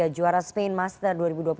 juara spaint master dua ribu dua puluh tiga